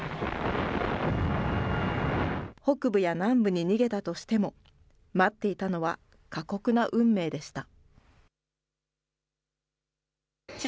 北部や南部に逃げたとしても、待っていたのは過酷な運命でした。